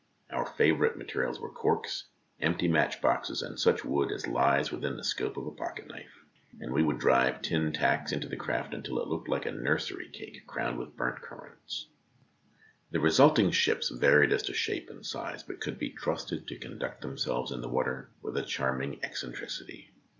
Our favourite materials were corks, empty match boxes, and such wood as lies within the scope of a pocket knife, and we would drive tintacks into the craft until it looked like a nursery cake, crowned with burnt currants. The resulting ships varied as to shape and size, but could be trusted to conduct themselves in the water with a charming eccentricity.